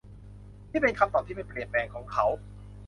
นี่เป็นคำตอบที่ไม่เปลี่ยนแปลงของเขา